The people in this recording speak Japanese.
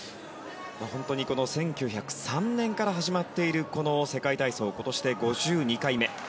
本当に１９０３年から始まっているこの世界体操、今年で５２回目。